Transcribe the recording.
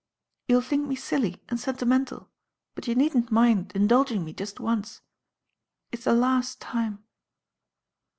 You'll think me silly and sentimental, but you needn't mind indulging me just once. It's the last time."